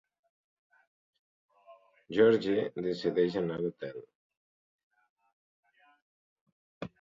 George decideix anar a l'hotel.